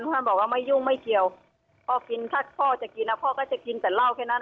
ท่านบอกว่าไม่ยุ่งไม่เกี่ยวพ่อกินถ้าพ่อจะกินพ่อก็จะกินแต่เหล้าแค่นั้น